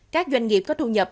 các doanh nghiệp có thu nhập